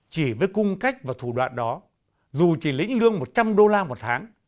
chỉ với cung cách và thủ đoạn đó dù chỉ lĩnh lương một trăm linh đô la một tháng